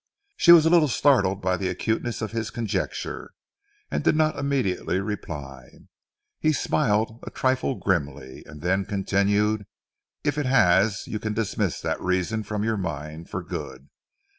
She was a little startled by the acuteness of his conjecture, and did not immediately reply. He smiled a trifle grimly, and then continued. "If it has, you can dismiss that reason from your mind for good.